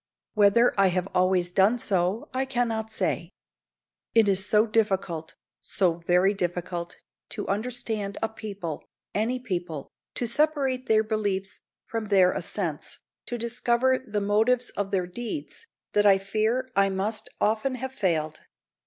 Whether I have always done so I cannot say. It is so difficult, so very difficult, to understand a people any people to separate their beliefs from their assents, to discover the motives of their deeds, that I fear I must often have failed.